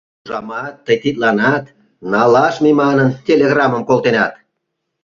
— Ужамат, тый тидланат, налаш мий манын, телеграммым колтенат?